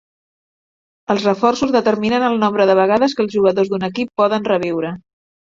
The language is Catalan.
Els reforços determinen el nombre de vegades que els jugadors d'un equip poden reviure.